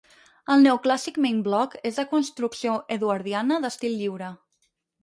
El neoclàssic Main Block es de construcció eduardiana d'estil lliure.